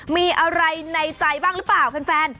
มีอะไรในใจบ้างหรือเปล่าแฟน